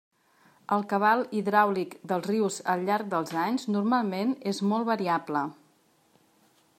El cabal hidràulic dels rius al llarg dels anys normalment és molt variable.